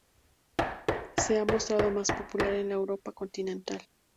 Se ha mostrado más popular en la Europa continental.